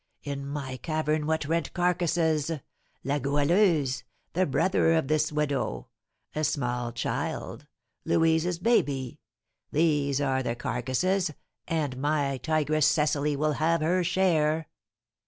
In my cavern what rent carcasses La Goualeuse the brother of this widow a small child, Louise's baby, these are the carcasses, and my tigress Cecily will have her share."